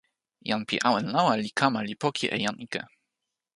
jan pi awen lawa li kama li poki e jan ike.